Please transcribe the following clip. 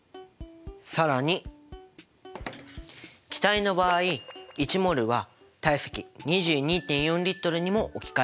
更に気体の場合１ｍｏｌは体積２２．４Ｌにも置き換えることができるってことだね。